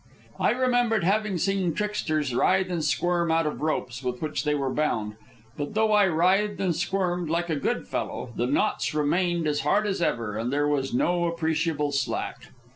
I remembered having seen tricksters writhe and squirm out of ropes with which they were bound, but though I writhed and squirmed like a good fellow, the knots remained as hard as ever, and there was no appreciable slack.